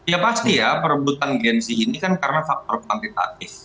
ya pasti ya perebutan gen z ini kan karena faktor kuantitatif